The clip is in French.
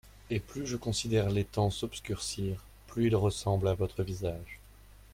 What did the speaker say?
Et plus je considère l'étang s'obscurcir, plus il ressemble à votre visage.